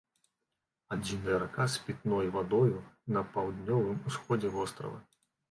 Адзіная рака з пітной вадою на паўднёвым усходзе вострава.